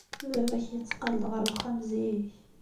Baba-k yetteqqal-d ɣer uxxam zik?